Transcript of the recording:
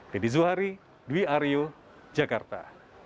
teddy zuhari dwi aryo jakarta